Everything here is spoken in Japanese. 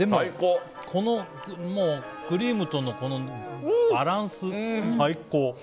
このクリームとのバランス、最高。